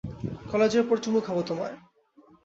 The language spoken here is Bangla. কলেজের পর চুমু খাবো তোমায়।